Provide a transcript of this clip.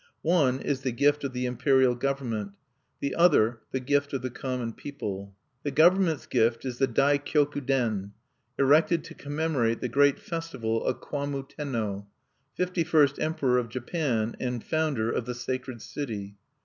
One is the gift of the Imperial Government; the other, the gift of the common people. The government's gift is the Dai Kioku Den, erected to commemorate the great festival of Kwammu Tenno, fifty first emperor of Japan, and founder of the Sacred City.